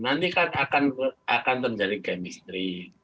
nanti kan akan terjadi chemistry